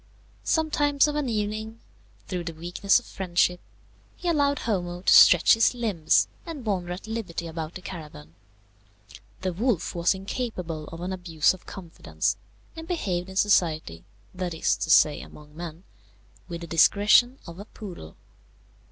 Sometimes of an evening, through the weakness of friendship, he allowed Homo to stretch his limbs and wander at liberty about the caravan. The wolf was incapable of an abuse of confidence, and behaved in society, that is to say among men, with the discretion of a poodle.